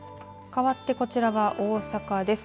かわって、こちらは大阪です。